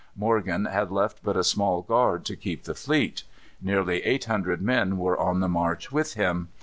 Morgan had left but a small guard to keep the fleet. Nearly eight hundred men were on the march with him.